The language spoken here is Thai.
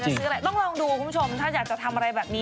ต้องลองดูคุณผู้ชมถ้าอยากจะทำอะไรแบบนี้